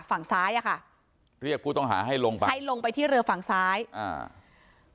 ฝั่งซ้ายอ่ะค่ะเรียกผู้ต้องหาให้ลงไปให้ลงไปที่เรือฝั่งซ้ายอ่า